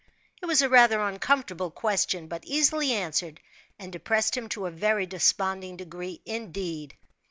It was a rather uncomfortable question, but easily answered, and depressed him to a very desponding degree indeed.